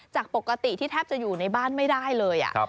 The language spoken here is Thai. จากปกติที่แทบจะอยู่ในบ้านไม่ได้เลย